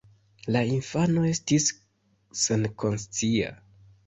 La infano estis senkonscia.